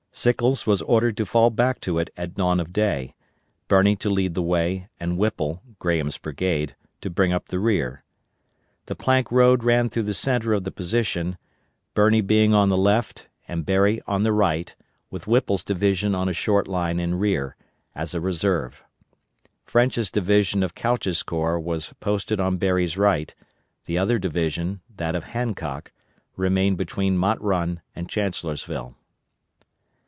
Sickles was ordered to fall back to it at dawn of day, Birney to lead the way, and Whipple (Graham's brigade) to bring up the rear. The Plank Road ran through the centre of the position, Birney being on the left and Berry on the right, with Whipple's division on a short line in rear, as a reserve. French's division of Couch's corps was posted on Berry's right, the other division (that of Hancock) remained between Mott Run and Chancellorsville.